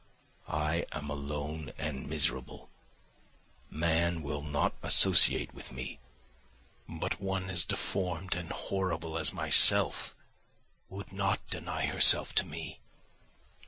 I am alone and miserable; man will not associate with me; but one as deformed and horrible as myself would not deny herself to me.